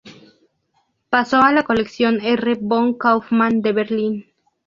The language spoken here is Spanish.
Pasó a la colección R. von Kaufmann de Berlín.